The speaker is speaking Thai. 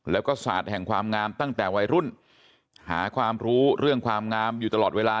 แล้วก็ศาสตร์แห่งความงามตั้งแต่วัยรุ่นหาความรู้เรื่องความงามอยู่ตลอดเวลา